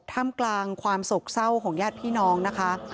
ท่ามกลางความโศกเศร้าของญาติพี่น้องนะคะ